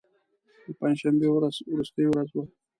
د پنج شنبې ورځ وروستۍ ورځ وه.